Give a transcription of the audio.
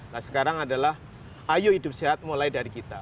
nah sekarang adalah ayo hidup sehat mulai dari kita